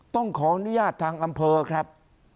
ต้องขออนุญาตทางอำเภอครับ